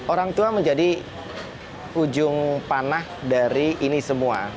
orang tua menjadi ujung panah dari ini semua